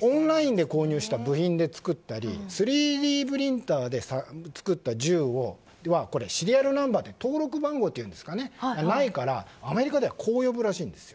オンラインで購入した部品で作ったり３Ｄプリンターで作った銃をシリアルナンバーつまり登録番号がないからアメリカではこう呼ぶらしいです。